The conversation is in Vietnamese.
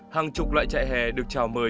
hàng chục loại chạy hè được trào mời